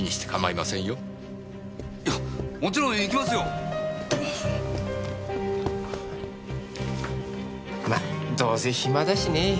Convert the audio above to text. まどうせ暇だしね。